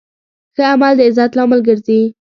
ښه عمل د عزت لامل ګرځي.